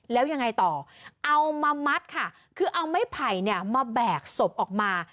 แล้วยังไงต่อเอามามัดค่ะคือเอาไม้ไผ่เนี่ยมาแบกศพออกมา